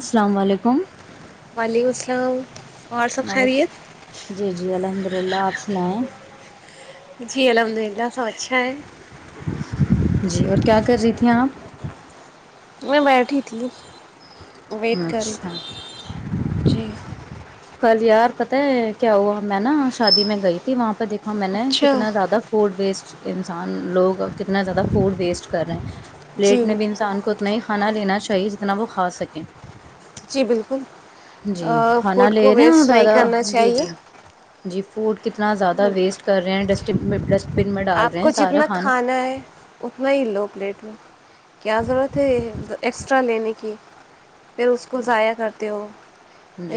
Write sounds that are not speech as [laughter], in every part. السلام علیکم وعلیکم السلام اور سب خیریت رلاپس میںائ جی یہ ال ایک ساچ چھ جی اور کیا کر رہی تھھی آپ میں بیٹھی تھی ویٹ کریں اچھا جی کل یار پتہ ہے کیا ہوا میں نا شادی میں گئی تھی وہاں پہ دیکھ ہاں میں نے اچھا کتنا زیادہ فوڈ ویسٹ انسان لوگ کتنا زیادہ فوڈ ویسٹ کر رہے ہیں جی پلیٹ میں بھی انسان کو اتنا ہی کانا لین چاہی چاہیے جتنا وہ کھا سکیں جی بالکل جی کھانا فوڈ کو لے رہے ویسٹ نہیں زیادہ کرنا جی چاہیے جی جی فوڈ کتنا زیادہ ویسٹ کر رہے ہیں ڈس میں پس آپ کو جتنا کھانا ہے نہیں دوو پلیٹ میں کیا ضرورت ہے ایکسٹرا لینے کی پھر اس کوضائع کرتے تو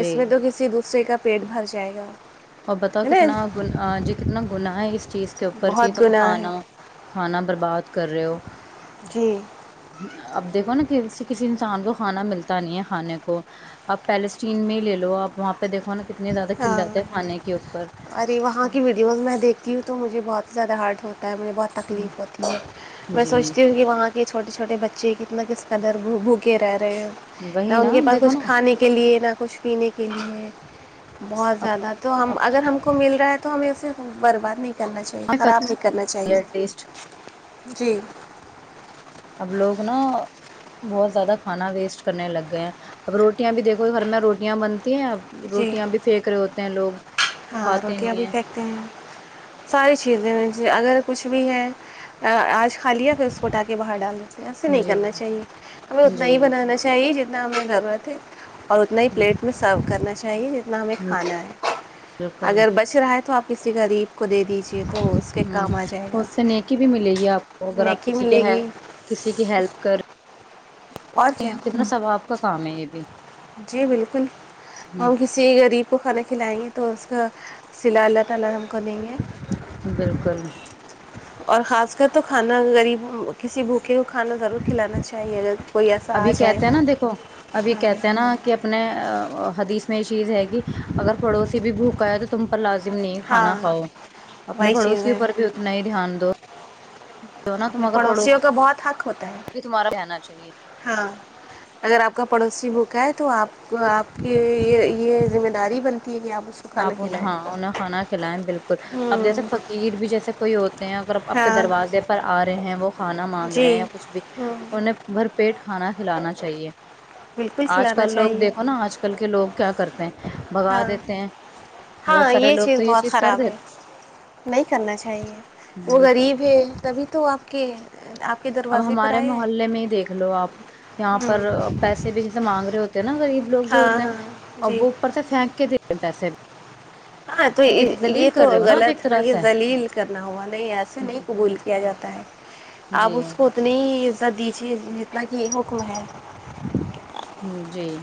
اس میں تو کسی دوسرے کا پیٹ بھر جائے گا اور بتاؤ ہے کتنا نا گن جی کتنا ہو ن اس [unintelligible] چیز کے اوپر کہ بہت تم گناہ کھانا ہے کھانا برباد کر رہے ہو جی اب [unintelligible] دیکھو نا کسی کسی انسان کو کھانا ملتا نہیں ہے کھانے کو آپ پیلسٹین میں ہی لے لو آپ وہاں پہ دیکھو نا اتنے زیادہ کلات ہے ہاں کھانے کے اوپر ارے وہاں کی ویڈیوز میں دیکھتی ہوں تو مجھے بہت زیادہ ہارڈ ہوتے مجھے بہت تکلیف ہوتی ہے میں جی سوچتی ہوں کہ وہاں کی چوٹی چھوٹی چھوٹے بچے کتنا کس کدر بھوکے رہے ہیں نہ وہی ان نا کے پاس دیکھو کچھ نا کھانے کے لیے نہ کچھ پینے کے لیے بہت اب زیادہ تو اب ہم اگر ہم کو مل رہا ہے تو ہمیں اسے برباد نہیں کرنا چاہیے خراب نہیں کرنا چاہیے ایٹ لیسٹ جی اب لوگ نا بہت زیادہ کھانا ویسٹ کرنے لگ گئے ہیں اب روٹیاں بھی دیکھو گھر میں روٹیاں بن ہیں اب جی روٹیاں بھی پھینک رہے ہوتے ہیں لوگ ہاں کھاتے روٹیاں بھی نہیں پھینکتے ہیں ساری چیز ج اگر کچھ بھی ہے آج کل [unintelligible] کھ لیا پھر اس کو اٹا کے باہر ڈال دیتے ہیں ایسے نہیں کرنا جی چاہیے ہمیں اتنا ہی جی ہوں، بنانا چاہیے جتنا ہم گھر ت ہی اور اتنا ہی پلیٹ میں سرو کرنا چاہیے جتنا ہمیں ہ ج ہے [unintelligible] بالکل ہوں اگر بچ رہا ہے تو آپ کسی غریب کو دے دیجیے تو اس کے کام آ جائے اور گا اس سے نیکی بھی ملے گی آپ کو اگر آپ نیکی کسی کے ملے ہے گی کسی کی ہیلپ کر رہے اور کیا کتنا سواب آپ کا کام ہے یہ بھی جی بالکل ہوں، ہم کسی غریب کو کھانا کھلائیں گے تو اس کا سلالت [unintelligible] پل ہم کو دیں گے بالکل اور خاص کر تو کھانا غریب کسی بھوکے کو کھانا ضرور کھلانا چاہیے اگر کوئی ایسا آ ابھی جائے کہتے ہیں نا دیکھو ابھی ہاں کہتے ہیں نا کہ اپنے حدیث میں یہ چیز ہے کہ اگر پڑوسی بھی بوکائے تو تم پر لاز نہیں ہاں کھانا کھؤ اپنے وہی چیز پڑوسیوں ہے پر بھی اتنا ہی دھیان دو جو نا تم اپنے اگر پڑوسی پڑوسیوں کا بہت حق ہوتا ہے بھی تمہارا رہنا چاہیے ہاں اگر آپ کا پڑوسی بھکائے تو آپ آپ کے یہ ذمہ داری بنتی ہے کہ آپ اس کو کھانا انہیں کھلائیں ہاں انہیں کھانا ہ جسے کوئی ہو ہیں اگر آپ کے دروازے پر آ رہے ہیں وہ کھانا مانگ رہے جی ہیں یا کچھ بھی ہوں انہیں بھر پیٹ کھانا کھلانا چاہیے بالکل آج کھلانا کل لوگ چاہیے دیکھو نا آج کل کے لوگ کیا کرتے ہیں بھگا ہاں دیتے ہیں بہت ہاں سارے یہ لوگ چیز تو بہت کر خراب ہے دیتے نہیں کرنا چاہیے ہیں۔ وہ بالکل غریب ہے تبھی تو آپ کے آپ [unintelligible] اب پر ہمارے آیا ہے محلے میں ہی دیکھ لو آپ یہاں ہاں پر پیسے بھی جیسے مانگ رہ [inaudible] [unintelligible] نا غریب لوگ جو ہوتے ہاں ہیں ا جی وہ اوپر سے پھینک کے د پیسے ہاں تو بھی، اور دلیل یہ تو کر رہے ہو نا آپ غلط ایک طرح سے یہ لیل کرنا ہوا نہیں ایسے نہیں قبول کیا جاتا ہے جی آپ اس کو اتنیدی جی بقی ہوکو ہے [unintelligible] ہوں، جی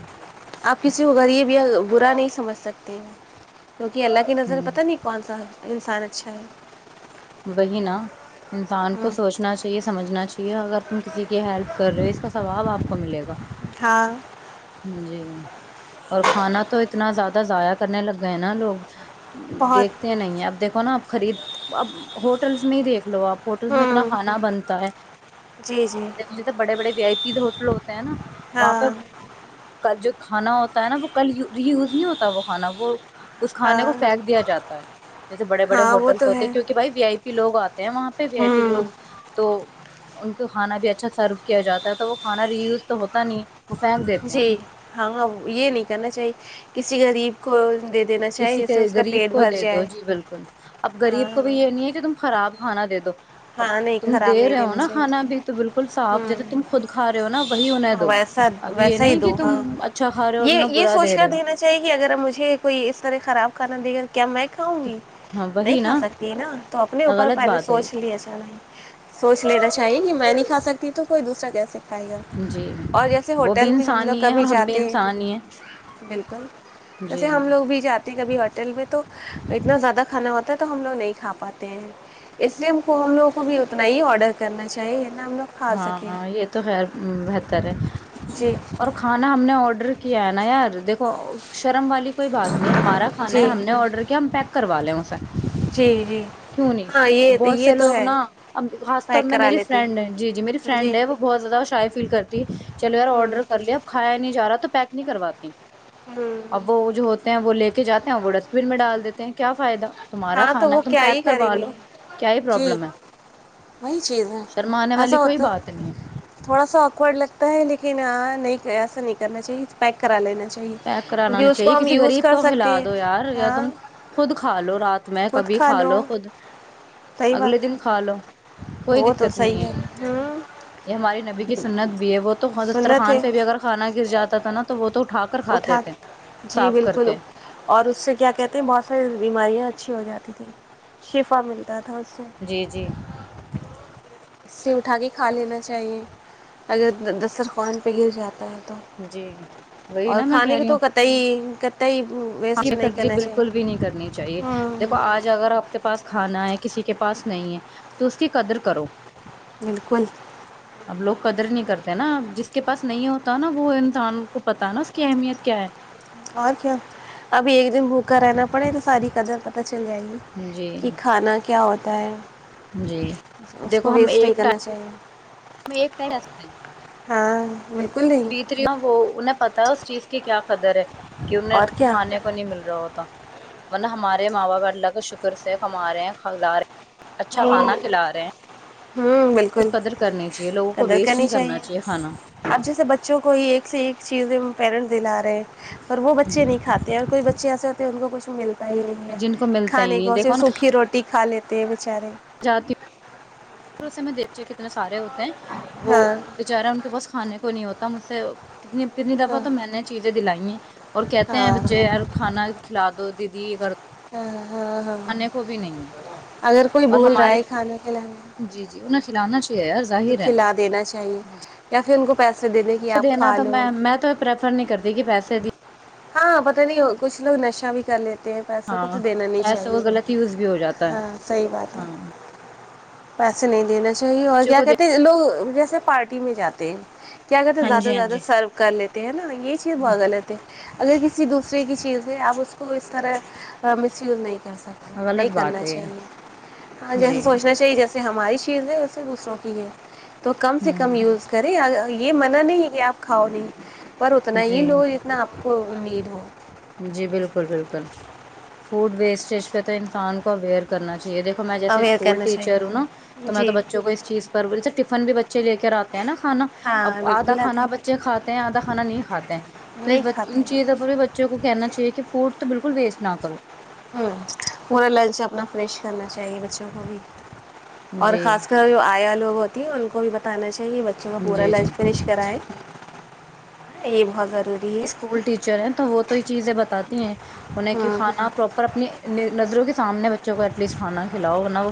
آپ کسی کو غریب یا برا نہیں سمجھ سکتے ہیں کیوںک اللہ کی نظر ہوں پتہ نہیں کون سا انسان اچھا ہے بہنا [unintelligible] انسان کو ہاں سوچنا چاہیے سمجھنا چاہیے اگر تم کسی کی ہیلپ کر رہے ہو اس کا واب آپ کو ملے گا ہاں جی [unintelligible] اور کھانا تو اتنا زیادہ ضائع کرنے لگ گئے ہیں نا لوگ بہت دیکھتے نہیں اب دیکھو نا آپ خرید اب [unintelligible] ہوٹلس نہیں دیکھ لو آپ ہوٹلس میں اتنا ہوں کھانا بنتا ہے جی جی جیسے بڑے بڑے وی آئی پی ہوٹل ہوتے ہیں نا ہاں وہاں پہ ک جو کھانا ہوتا ہے نا وہ کلوی یوز نہیں ہوتا ہے وہ کھانا وہ اس کھانے کو ہاں پھینک دیا جاتا ہے جیسے بڑے بڑے ہاں وہ ہوٹلس تو ہوتے ہے ہیں کیونکہ بھائی وی آئی پی لوگ آتے وہاں پہ بھی آئی پی ہوں لوگ تو ان [unintelligible] تو کھانا بھی اچھا سرو کیا جاتا ہے تو وہ کانا ری یوز تو ہوتا نہیں وہ پھینک دیتے ہیں جی ہاں یہ نہیں کرنا چاہیے کسی غریب کو دے دینا کسی چاہیے جس کے سے اس کا غریب پیٹ کو بھر دے دو جائے جی بالکل اب ہاں غریب کو بھی یہ نہیں ہے کہ تم خراب کھانا دے دو اب ہاں نہیں تم خراب دے نہیں رہے ہو دینا نا چاہیے کھانا بھی تو بالکل صاف ہوں جیسے تم خود کھا رہے ہو نا وہی انہیں ہاں دو ویسا اب یہ ویسا ہی نہیں کہ دو تم ہاں اچھا کھا رہے ہو اور یہ انہیں یہ برا سوچ دے کر رہے ہو دینا چاہیے کہ اگر کوئی اس طرح خراب کھانا دکر کیا میں کھاؤں گی ہاں نہیں وہی کھا سکتی ہے نا تو اپنے اوپر غلط پہلے بات ہے سوچ لیے سوچ لینا چاہیے کہ میں نہیں کا کھا سکتی تو کوئی دوسرا کیسے کھا سکتی جی اور جیسے وہ بھی ہوٹل میں ہم انسان لوگ ہی ہے اور کبھی ہم بھی جاتے ہیں انسان ہی بالکل جی جیسے ہم لوگ بھی جاتے ہیں کب ہوٹل میں تو اتنا زیادہ کھانا ہوتا تو ہم لوگ نہیں کھا پاتے ہیں اس لیے ہم کو تو ہم لوگوں کو بھی اتنا ہی آڈر کرنا چاہیے نا ہم لوگ کھا سکیں ہاں یہ تو بہتر ہے جی اور کھانا ہم نے آڈر کہ ہے نا یار دیکھو سرم والی کوئی بات نہیں ہمارا کھانا ہے جی ہم نے آرڈر کیا ہم پیک کرو وعلیکم سلام جی جی کیوں نہیں ہاں یہ بہت یہ سے تو لوگ ہے نا خاص طور پیک میں کرا میری لیتے فرینڈ ہیں جی جی میری فرینڈ ہے وہ بہت زیادہ شائف فیل کرتی ہے چلو یار ہوں آرڈر کر لیا اب کھایا نہیں جا رہا تو پیک نہیں کرواتئی ہوں اب وہ جو ہوتا ہیں وہ لے کے جاتے ہیں وہ ڈسٹبن میں ڈال دیتے ہیں کیا فائدہ تمہار ہاں تو کھانا وہ تم کیا ہی پیک کریں کروا گے لو کیا ہی جی پروابلم ہے وہی چیز ہے شرمانے والی ایسا کوئی ہوتا بات نہیں ہے تھوڑا سا آکورڈ لگتا ہے لیکن ہاں نہیں ایسا نہیں کرنا چاہیے پیک کرا لینا چاہیے پیک کرانا کیونکہ نہیں اس چاہیے کو ہم کسی یوز غریب کر کو کھلا سکتے ہیں دو یار یار ہاں تم خود کھا لو رات میں کبھی کھا لو خود صحیح اگلے بات دن کھا لو کوئی وہ تو دقت نہیں صحیح ہے ہوں یہ ہماری نبی کی سنت بھی ہے وہ تو حزفتر سنت خان ہے پہ بھی اگر کھانا گر جاتا تھا نا تو وہ تو اٹھا کھاتے اٹھا تھے جی صاف کر بالکل کے اور اس سے کیا کہتے ہیں بہت سارے بیماریاں اچھی ہو جاتی تھیں شفا ملتا تھا سے جی جی اس سے اٹھا کے کھا لینا چاہیے اگر دسترخان پہ گر جاتا ہے تو جی تو وہی اور کھانے کی تو کت ہی کتئی تدلی بالکل بھی نہیں کرنی چاہیے دیکھو ہوں آج اگر آپ کے پاس کھانا ہے کسی کے پاس نہیں ہے تو اس کی قدر کرو بالکل ا لوگ قدر نہیں کرتے نا جس کے پاس نہیں ہوتا نا وہ انسان کو پتا ہے نا اس کی اہمیت کیا ہے اور کیا ابھی ایک دن بھوکا رہنا پڑے تو ساری قدر پت چلے آئیے جی کہ کھانا کیا ہوتا [inaudible] جی اس دیکھو کو ہم ویسٹ نہیں ایک کرنا چاہیے ایک ٹائم سکتے ہیں ہاں بالکل نہیں بیت رہی ہوں وہ انہیں پتا اس چیز کے کیا قدر کہ اور انہیں کیا کھانے کو نہیں مل رہا ہوتا من ہمارے ماں باپا اللہ کا شکر سے کما رہے ہیں کلا رہے اچھا کھانا کھلا رہے ہوں تو بالکل قدر کرنی چاہیے لوگوں کو قدر ویسٹ کرنی نہیں چاہیے کرنا کھانا اب جیسے بچوں کو ہی ایک سے ایک چیز پیرنٹس د ن اور وہ بچے نہیں کاتے ہیں کوئی بچے ایسے ہوتے ہیں ان کو کچھ جن کو [inaudible] ملتا ہی کھانے نہیں کو دیکھو ص نا سوکھی روٹی کا لیتے بیچارے جاتی ہوں اسے میں دیکچ کتنے سارے ہوتے ہیں وہ ہاں بیےچارا ان کے پاس کھانے کو نہیں ہوتا مجھ سے س کتنی کتنی دفعہ ہاں تو میں نے چیزیں دلائی ہیں اور کہتے ہیں ہاں بچے کھانا کھلا دو دی کر ہوں ہاں ہاں کھانے کو بھی نہیں ہے اگر کوئی اور بول رہا ہمارے ہے کھانے کے لیے [unintelligible] تو ظاہر ہے کھلا دینا چاہیے یا ان کو پسے دینا تو میں میں تو پرریفر نہیں کرتی کہ پیسے صری ہاں پتا نہیں کچھ لوگ نشا بھی کر لےتے پیسوں کو تو ہاں دینا نہیں پیسے وہ چاہیے غلط یوز بھی ہو جاتا ہے ہاں صحی بات ہے ہاں پیسے نہیں دنےاہ ی اور بچوں کیا کو دے. کہتے ہیں لوگ جیسے پارٹی میں جاتے ہیں کیا کہتے ہیں ہاں زیادہ سے جی ہاں زیادہ جی سرو کر لیتے د ن یہ چیز بہت غلط ہے اگر کسی دوسرے کی چیز ہے آپ اس کو اس طرح مس یوز نہیں کر سکتے نہیں غلط بات کرنا ہے چاہیے یہ ہاں جیسا جی سوچنا چاہیے ج جسے ہماری چیز ہے ویسے دوسروں کی ہے تو کم سے کم ہوں یوز کریں ا یہ من نہیں آپ کھاؤ نہیں پر اتنا ہی جی لو جتنا آپ کو امید ہو جی بالکل بالکل فوڈ ویسٹیج پہ تو انسان کو اویئر کرنا چاہ جییکھو میں جیسے اویئر اسکول کرنا ٹیچر ہوں نا چاہیے تو میں تو جی بچ کو اس چیز پر بول ٹفن بھی چ لے کے آات نا کھانا اب ہاں آدا بالکل آتے کھانا ہیں کھاتے ہیں آدھا کھانا نہیں کھے ہیں تو نہیں کھاتے ان ہیں چیزوں پر بھی بچوں کو کہنا چاہیے کہ فوڈ تو بالکل ویسٹ نہ کرو ہ پورا لنچ اپنا فریش کرنا چاہیے بچوں کو بھی اور جی خاص کر جو آیا ہوتی ہیں ان کو بھی بتانا چاہیے اھاہے بچوں کا پورا جی جی لنچ فنش کرائائے یہ ب جا اسکول ٹیچر ہیں تو وہ تو یہ چیزیں بتا ت دی ہیں انیں کی ہوں کھانا پراپر اور اپنی نظروں کے سامنے بچوں کو ایٹ لیسٹ کھانا ہے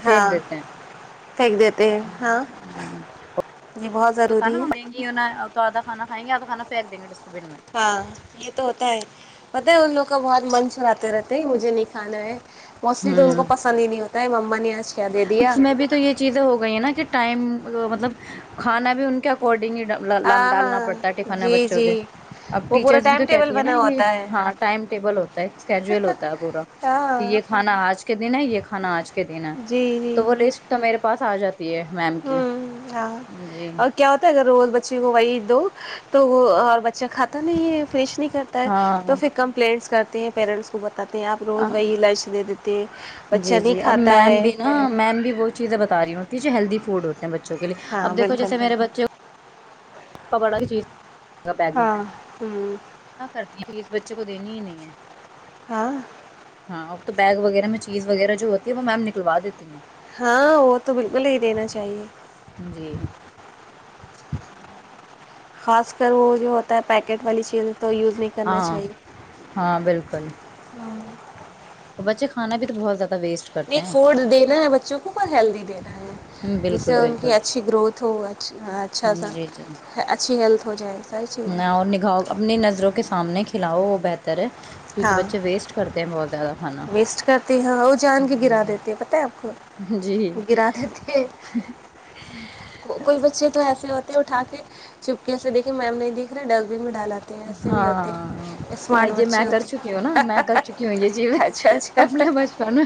ہاں پھینک دیتے ہیں ہاں یہ بہت تو ضروری نا منی ہے نہ تو آدا کھا کھیں گے آدا کھا فیک دنڈس ہاں یہ تو ہوتا ہے پتہ ہے ان لوگوں کا بہت من سناتے رہتے ہیں مجھے نہیں کھانا ہے موسٹلی تو ان کو ہوں پسند ہی نہیں ہوتا ت مم نے [unintelligible] دیا اس میں بھی تو یہ چیزیں ہو گئی ہیں نا کہ ٹائم مطلب کھانا بھی ان کے اکارڈنگ ہاں ڈالنا ہاں پڑتا ہے ٹفن ہے جی بچوں جی کے اب وہ پورا ٹیچرس بھی ٹائم تو ٹیبل کہتی ہے نا بنا یہ ہوتا ہے ہاں ٹائم ٹیبل ہوتا ہے کیجل ہوتا ہے پورا کہ ہاں یہ کھانا آج کے دن ہے یہ کھانا آج کے دن ہے جی تو جی بولیے اس تو میں پاس آ جاتا ہوں ہاں جی اور کیا ہوتا ہے اگر روز بچی کو وہی دو [unintelligible] تو وہ اور بچ [unintelligible] ج کھاتا نہیں یہ فش نہیں کرتا ہے ہاں تو پھر کمپلینٹس کر پیرنٹس کوت [unintelligible] بچہ جی نہیں جی اب کھاتا میم ہے بھی نا میم بھی وہ چیزیں بتا رہی ہوں کیھ ہیلدی فوڈ ہوتی ہمبت [unintelligible] بچوں کےے ہاں اب دھو بالکل جیسے میرے بچے [unintelligible] پکڑا کی چیز ہاں ٹ [unintelligible] فیس بچے کو دنیی ہی نہیں ہے [unintelligible] ہاں ہاں اب تو بیگ وغیرہ میں چیز وغیرہ جو ہوتی ہے وہ میم نکلوا دیتی ہیں ہاں وہ تو بالکل ہی دینا چاہیے جی [inaudible] خاص کر وہ جو ہوتا ہے پیکٹ والی چیز ہاں ہاں بالکل اور بچے کھانا بھی تو بہت زیادہ ویسٹ کرتے ایک ہیں فوڈ دینا ہے بچوں کو اور ہیلدی دینا ہے جس سے بالکل ان کی بالکل اچھی گروتھ ہو اچھا سا اچھی ہیلتھ ہو جائے ساری ہ چیزیں اور نکھاؤ اپنی نظروں کے سامنے کھلاؤ بہتر ہے کیونکہ ہاں بچے ویسٹ کرتے ہیں بہت زیادہ کھانا ویسٹ کرتے ہاں وہ جان کے گرا جی دیتے ہیں پت ہے آپ جی کو گرا دیتے ہیں کوئی بچے تو ایسا ہوتے ہیں اٹھا کے چپکیاں سے دیکھے میم نہیں دیکھ رہا ڈسٹبن میں ڈالاتے ہیں ایسے بھی ہوتے ہاں ہیں ہ اسمارٹ یہ میں بچے کر ہوتے چکی ہوں نا میں کر چکی ہوں یہ چیزیں اچھا اچھا اپنے بچپن میں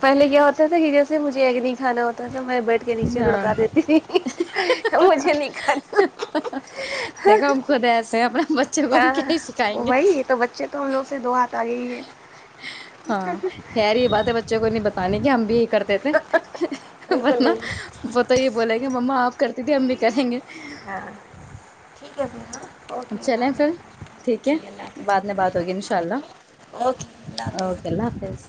پہلے کیا ہوتا تھا کہ جیسے ج مجھے اگنی کھا ہوتا تھا میں بیٹھ کے نیچے ہاں لڑکا دیتی تھی مجھے نہیں کھانا دیکھ ہم کود آسے اپنا ہاں وہی تو بچے تو ہم لوگ سے دو ہاتھ آ گئے ہی ہیں ہاں خیر یہ باتیں بچوں نہیں بتانے کہ ہم بھی ایک کرتے تھے بالکل ورنہ بالکل وہت یہ بولیں گے ما آپ کرتی تھی ہم بھی کریں گے ہاں ٹھیک ہے ت ہاں اوکے اللہ چلیں پھر حافظ ٹھیک ہے جی اللہ حافظ بعد میں بات ہوگی انشاء اللہ اوکے اللہ حافظ اوکے اللہ حافظ